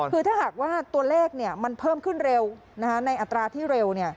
คือถ้าหากว่าตัวเลขมันเพิ่มขึ้นเร็วในอัตราที่เร็ว